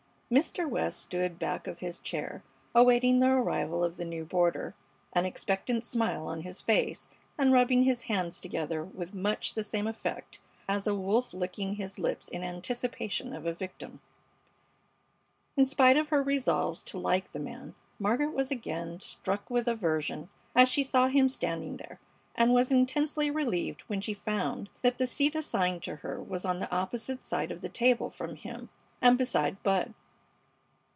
Mr. West stood back of his chair, awaiting the arrival of the new boarder, an expectant smile on his face, and rubbing his hands together with much the same effect as a wolf licking his lips in anticipation of a victim. In spite of her resolves to like the man, Margaret was again struck with aversion as she saw him standing there, and was intensely relieved when she found that the seat assigned to her was on the opposite side of the table from him, and beside Bud.